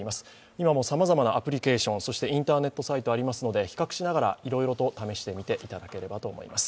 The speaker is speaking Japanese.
今もさまざまなアプリケーション、そしてインターネットサイトがありますので、比較しながら、いろいろと試してみていただければと思います。